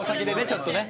ちょっとね